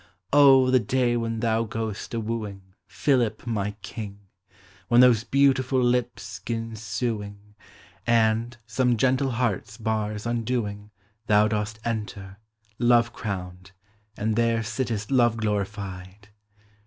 O, the day when thou goest a wooing, Philip, my king! When those beautiful lips 'gin suing, And, some gentle heart's bars undoing. Thou dost enter, love crowned, and there Sittest love glorified